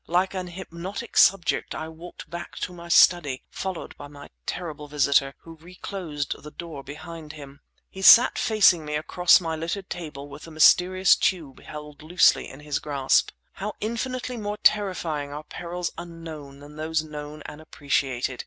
Like an hypnotic subject I walked back to my study, followed by my terrible visitor, who reclosed the door behind him. He sat facing me across my littered table with the mysterious tube held loosely in his grasp. How infinitely more terrifying are perils unknown than those known and appreciated!